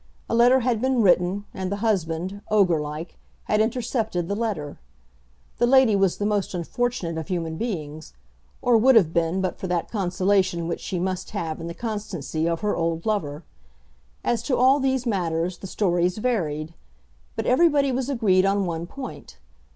A letter had been written, and the husband, ogre like, had intercepted the letter. The lady was the most unfortunate of human beings, or would have been but for that consolation which she must have in the constancy of her old lover. As to all these matters the stories varied; but everybody was agreed on one point.